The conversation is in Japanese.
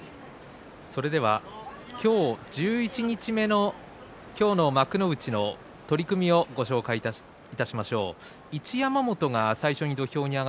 それでは今日、十一日目の今日の幕内の取組をご紹介いたしましょう。